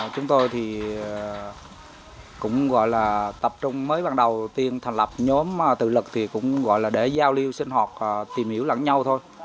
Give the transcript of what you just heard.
chúng tôi thì cũng gọi là tập trung mới ban đầu tiên thành lập nhóm tự lực thì cũng gọi là để giao lưu sinh hoạt tìm hiểu lẫn nhau thôi